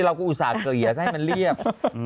เราก็อุตส่าห์เกลียดให้มันเรียบ